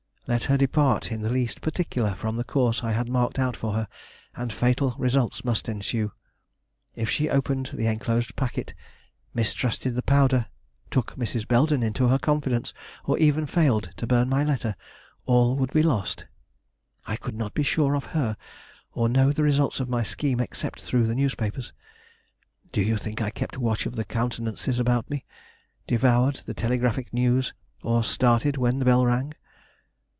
Let her depart in the least particular from the course I had marked out for her, and fatal results must ensue. If she opened the enclosed packet, mistrusted the powder, took Mrs. Belden into her confidence, or even failed to burn my letter, all would be lost. I could not be sure of her or know the result of my scheme except through the newspapers. Do you think I kept watch of the countenances about me? devoured the telegraphic news, or started when the bell rang?